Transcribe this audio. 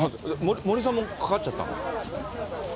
森さんもかかっちゃったの？